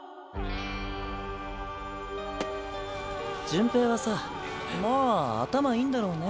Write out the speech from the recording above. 順平はさまあ頭いいんだろうね。